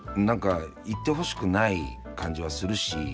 何か言ってほしくない感じはするし。